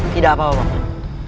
tidak apa apa pak